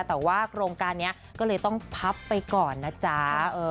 แต่ว่าโครงการนี้ก็เลยต้องพับไปก่อนนะจ๊ะ